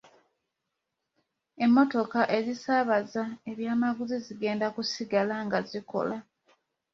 Emmotoka ezisaabaza ebyamaguzi zigenda kusigala nga zikola.